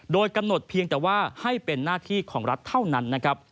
โดยกำหนดเพียงแต่ว่าให้เป็นหน้าที่ของรัฐเท่านั้นนะครับ